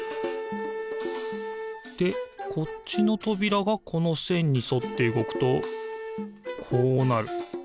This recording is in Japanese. でこっちのとびらがこのせんにそってうごくとこうなる。